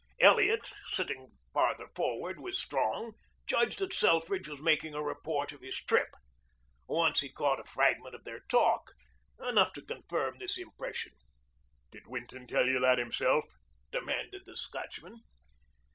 Elliot, sitting farther forward with Strong, judged that Selfridge was making a report of his trip. Once he caught a fragment of their talk, enough to confirm this impression. "Did Winton tell you that himself?" demanded the Scotchman.